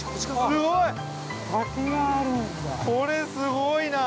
◆これすごいな。